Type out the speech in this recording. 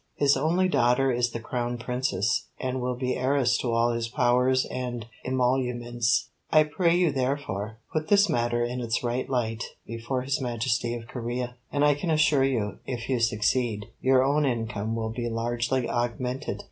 His only daughter is the Crown Princess, and will be heiress to all his powers and emoluments. I pray you, therefore, put this matter in its right light before His Majesty of Corea, and I can assure you, if you succeed, your own income will be largely augmented."